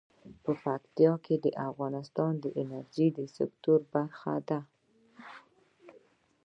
پکتیا د افغانستان د انرژۍ سکتور برخه ده.